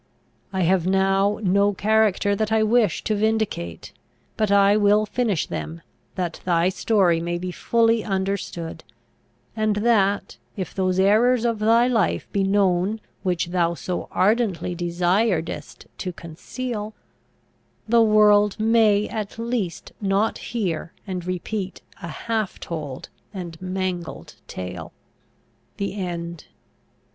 I have now no character that I wish to vindicate: but I will finish them that thy story may be fully understood; and that, if those errors of thy life be known which thou so ardently desiredst to conceal, the world may at least not hear and repeat a half told and mangled tale. THE END.